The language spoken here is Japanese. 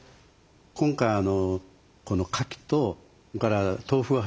今回このかきとそれから豆腐が入ってましたよね。